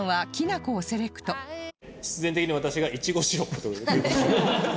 必然的に私がイチゴシロップという。